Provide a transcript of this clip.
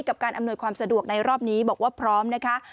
กับการอำนวยความสะดวกในรอบนี้บอกว่าพร้อมนะคะ